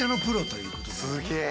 すげえ！